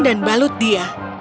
dan balut dia